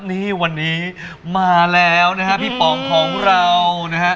นี่วันนี้มาแล้วนะฮะพี่ป๋องของเรานะฮะ